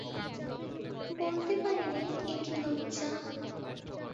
বলতে পারি নে এ কী লজ্জা।